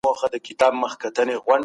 چېري د بندیانو بیا روزنه ترسره کیږي؟